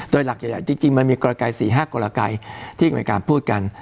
โดยหลักอย่างจริงมันมีกรกรกราย๔๕กรกรกรายที่กรรมพูดกัน